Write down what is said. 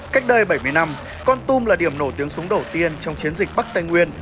cách đây bảy mươi năm con tum là điểm nổi tiếng súng đầu tiên trong chiến dịch bắc tây nguyên